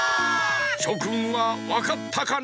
しょくんはわかったかな？